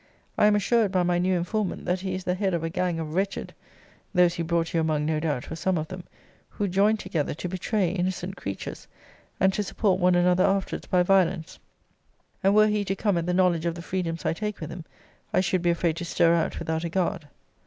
I am assured by my new informant, that he is the head of a gang of wretched (those he brought you among, no doubt, were some of them) who join together to betray innocent creatures, and to support one another afterwards by violence; and were he to come at the knowledge of the freedoms I take with him, I should be afraid to stir out without a guard.